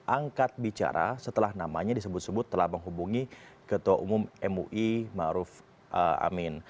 angkat bicara setelah namanya disebut sebut telah menghubungi ketua umum mui maruf amin